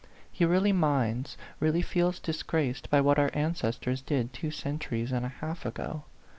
" He really minds, really feels disgraced by what our ancestors did two centuries and a half ago.